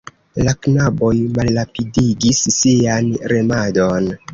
La knaboj malrapidigis sian remadon.